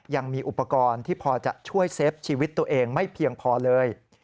ยังมีอุปกรณ์ที่พอจะช่วยเซฟชีวิตตัวเองไม่เพียงพอเลย